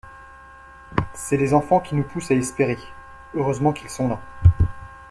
C'est les enfants qui nous poussent à espérer, heureusement qu'ils sont là.